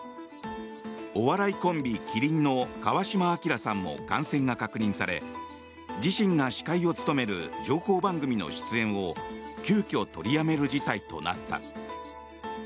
お笑いコンビ、麒麟の川島明さんも感染が確認され自身が司会を務める情報番組の出演を急きょ取りやめる事態となった。